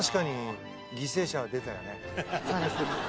そうですね。